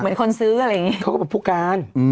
เหมือนคนซื้ออะไรอย่างนี้เขาก็บอกผู้การ